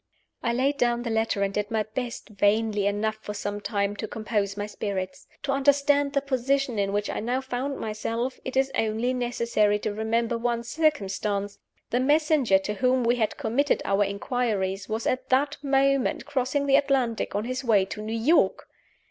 I laid down the letter, and did my best (vainly enough for some time) to compose my spirits. To understand the position in which I now found myself, it is only necessary to remember one circumstance: the messenger to whom we had committed our inquiries was at that moment crossing the Atlantic on his way to New York.